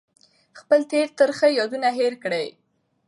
خپل تېر ترخه یادونه هېر کړئ.